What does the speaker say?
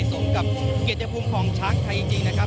สมกับเกียรติภูมิของช้างไทยจริงนะครับ